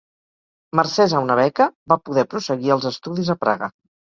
Mercès a una beca, va poder prosseguir els estudis a Praga.